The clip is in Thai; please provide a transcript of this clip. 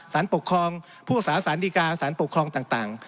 สารปกครองผู้สาสารดีการสารปกครองต่าง